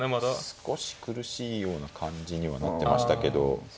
少し苦しいような感じにはなってましたけど。